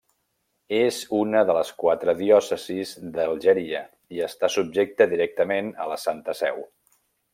És una de les quatre diòcesis d'Algèria i està subjecte directament a la Santa Seu.